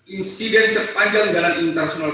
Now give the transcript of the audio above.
insiden sepanjang jalan internasional